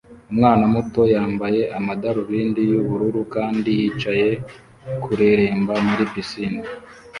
Umwana muto yambaye amadarubindi yubururu kandi yicaye kureremba muri pisine